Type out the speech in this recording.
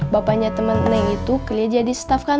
bapaknya temen neng itu keliah jadi staff kantor